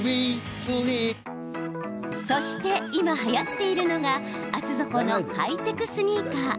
そして今、はやっているのが厚底のハイテクスニーカー。